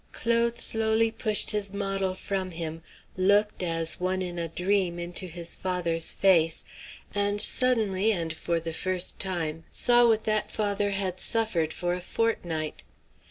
Claude slowly pushed his model from him, looked, as one in a dream, into his father's face, and suddenly and for the first time saw what that father had suffered for a fortnight.